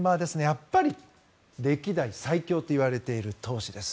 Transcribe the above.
やっぱり歴代最強といわれている投手です。